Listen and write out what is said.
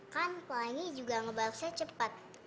kan pelangi juga ngebalasnya cepat